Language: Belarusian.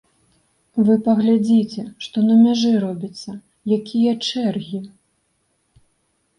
Вы паглядзіце, што на мяжы робіцца, якія чэргі!